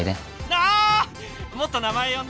ああもっと名前よんで。